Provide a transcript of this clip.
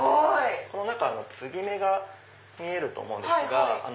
この中の接ぎ目が見えると思うんですが。